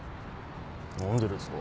何でですか？